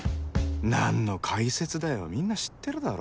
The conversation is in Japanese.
何の解説だよみんな知ってるだろ